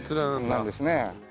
なんですね。